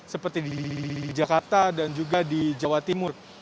seperti di jakarta dan juga di jawa timur